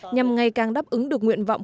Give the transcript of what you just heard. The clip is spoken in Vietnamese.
nhằm ngày càng đáp ứng được nguyện vọng